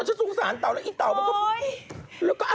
ใช้ดูแล้วดูดิทูปไว้ปลา